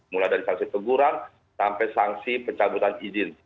mulai dari sanksi teguran sampai sanksi pencabutan izin